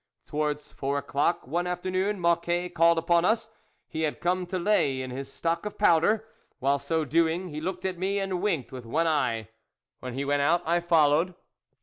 Towards four o'clock one afternoon Mocquet called upon us ; he had come to lay in his stock of powder. While so doing, he looked at me and winked with one eye. When he went out, I followed.